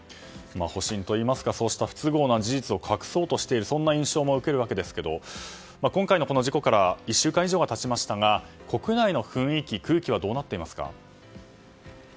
保身といいますか不都合な事実を隠そうとしているそんな印象も受けるわけですが今回の事故から１週間以上が経ちましたが国内の雰囲気、空気はどうなっていますか？